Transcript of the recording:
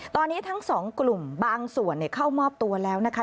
ตอนนี้ทั้งสองกลุ่มบางส่วนเข้ามอบตัวแล้วนะคะ